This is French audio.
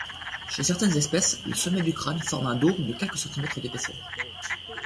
Chez certaines espèces, le sommet du crâne forme un dôme de quelques centimètres d'épaisseur.